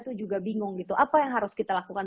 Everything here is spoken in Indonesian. tuh juga bingung gitu apa yang harus kita lakukan